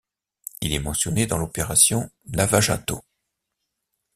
Il est mentionné dans l'opération Lava Jato.